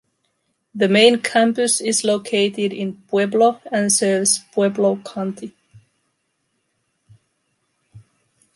The main campus is located in Pueblo and serves Pueblo County.